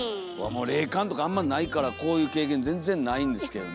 霊感とかあんまないからこういう経験全然ないんですけどね。